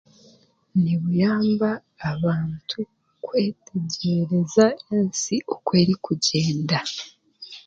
Nibuyamba abantu kwetegyereza ensi oku erikugyennda